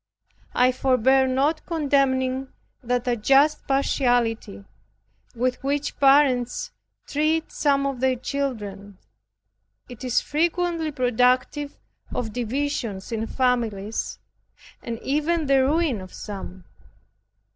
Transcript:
I forbear not condemning that unjust partiality with which parents treat some of their children. It is frequently productive of divisions in families, and even the ruin of some.